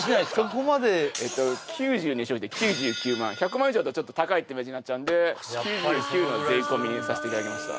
そこまでええと９０に消費税で９９００００１００万以上だとちょっと高いってイメージになっちゃうんで９９の税込にさせていただきました